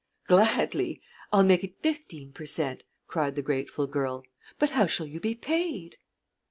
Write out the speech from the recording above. "Gladly. I'll make it fifteen per cent.," cried the grateful girl. "But how shall you be paid?"